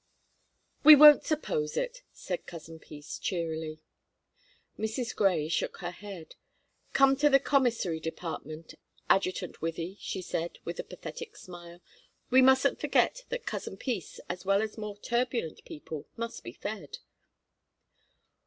"We won't suppose it," said Cousin Peace, cheerily. Mrs. Grey shook her head. "Come to the commissary department, Adjutant Wythie," she said, with a pathetic smile. "We mustn't forget that Cousin Peace, as well as more turbulent people, must be fed."